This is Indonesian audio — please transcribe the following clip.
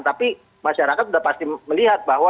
tapi masyarakat sudah pasti melihat bahwa